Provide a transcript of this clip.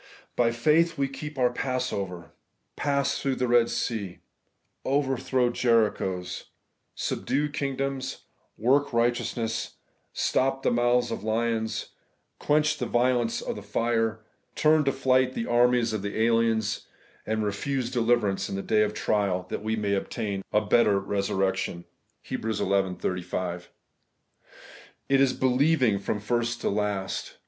By faith we keep our passover ; pass through the Eed Sea ; overthrow Jerichos ; subdue kingdoms ; work righteousness ; stop the mouth of lions ; quench the violence of fire; turn to flight the armies of the aliens, and refuse deliverance in the day of trial, that we may obtain a better resurrec tion (Heb. xi 35). It is ' believing ' from first to last.